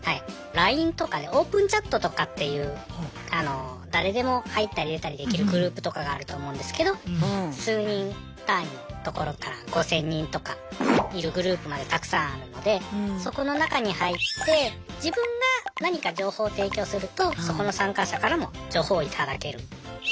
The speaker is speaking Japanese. ＬＩＮＥとかでオープンチャットとかっていう誰でも入ったり出たりできるグループとかがあると思うんですけど数人単位のところから５，０００人とかいるグループまでたくさんあるのでそこの中に入って自分が何か情報を提供するとそこの参加者からも情報を頂ける。